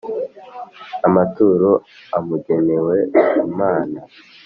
amaturo amugenewe Imana